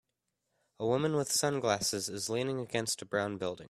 A woman with sunglasses is leaning against a brown building